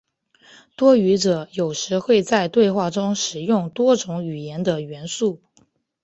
多语者有时会在对话中使用多种语言的元素。